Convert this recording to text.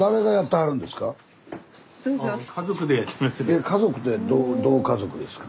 え家族ってどう家族ですか？